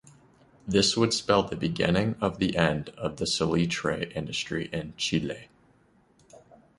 This would spell the beginning of the end of the salitre industry in Chile.